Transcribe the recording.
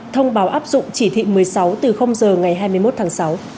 thông báo áp dụng chỉ thị một mươi sáu từ giờ ngày hai mươi một tháng sáu